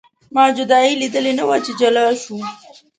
ما جدایي لیدلې نه وه چې جلا شو.